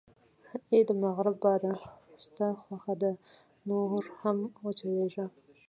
اې د مغرب باده، ستا خوښه ده، نور هم و چلېږه.